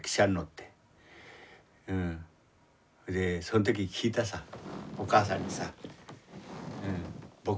その時聞いたさお母さんにさ。